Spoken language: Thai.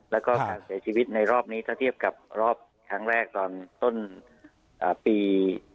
แล้วก็การเสียชีวิตในรอบนี้ถ้าเทียบกับรอบครั้งแรกตอนต้นปี